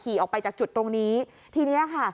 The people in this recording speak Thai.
ออกไปจากจุดตรงนี้ทีเนี้ยค่ะ